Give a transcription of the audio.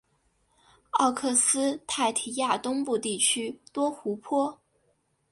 奥克施泰提亚东部地区多湖泊。